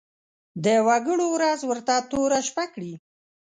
د وګړو ورځ ورته توره شپه کړي.